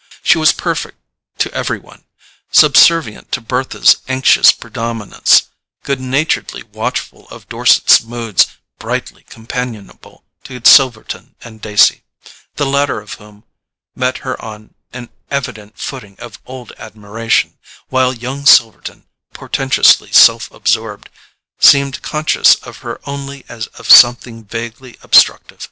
She was "perfect" to every one: subservient to Bertha's anxious predominance, good naturedly watchful of Dorset's moods, brightly companionable to Silverton and Dacey, the latter of whom met her on an evident footing of old admiration, while young Silverton, portentously self absorbed, seemed conscious of her only as of something vaguely obstructive.